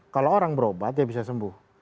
kalau orang berobat dia bisa sembuh